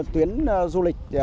tuyến du lịch